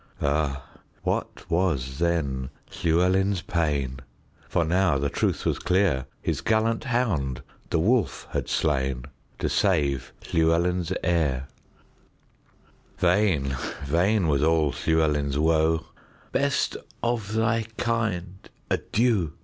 Ah, what was then Llewelyn's pain! For now the truth was clear; His gallant hound the wolf had slainTo save Llewelyn's heir:Vain, vain was all Llewelyn's woe;"Best of thy kind, adieu!